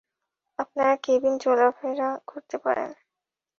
আপনারা কেবিনে চলাফেরা করতে পারেন।